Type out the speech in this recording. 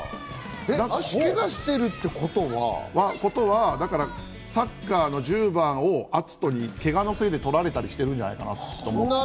足をけがしてるってことは、だからサッカーの１０番を篤斗にけがのせいでとられたりしてるんじゃないかなと。